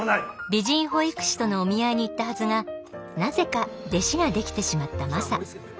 美人保育士とのお見合いに行ったはずがなぜか弟子ができてしまったマサ。